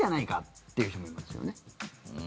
って人もいますよね。